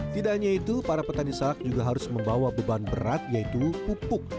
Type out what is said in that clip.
tidak hanya itu para petani salak juga harus membawa beban berat yaitu pupuk